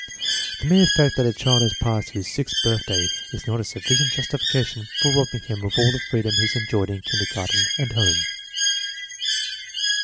The mere fact that a child has passed his sixth birthday is not a sufficient justification for robbing him of all the freedom he has enjoyed in kindergarten and home.